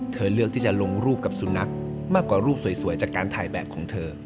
เลือกที่จะลงรูปกับสุนัขมากกว่ารูปสวยจากการถ่ายแบบของเธอ